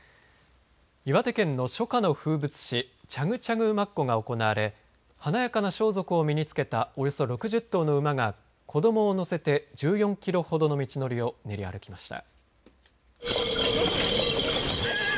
岩手県の初夏の風物詩チャグチャグ馬コが行われ華やかな装束を身につけたおよそ６０頭の馬が子どもを乗せて１４キロほどの道のりを練り歩きました。